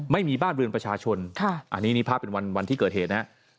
ไม่มีบ้านเรือนประชาชนอันนี้นี่ภาพเป็นวันที่เกิดเหตุนะครับ